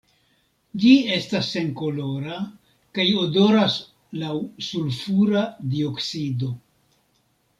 Ĝi estas senkolora kaj odoras laŭ sulfura dioksido.